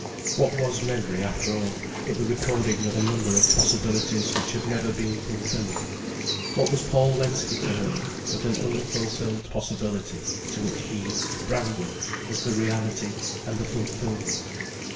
What was memory after all, but the recording of a number of possibilities which had never been fulfilled? What was Paul Lensky to her, but an unfulfilled possibility to which he, Brangwen, was the reality and the fulfilment?